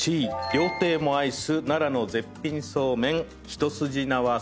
料亭も愛す奈良の絶品そうめん一筋縄そうめんです。